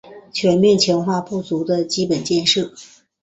全面强化不足的基础建设